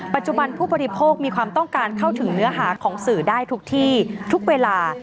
ปัจจุบันผู้บริโภคมีความต้องการเข้าถึงเนื้อหาของสื่อได้ทุกที่ทุกเวลา